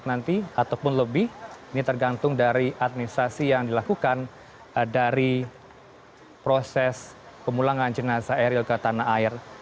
nanti ataupun lebih ini tergantung dari administrasi yang dilakukan dari proses pemulangan jenazah eril ke tanah air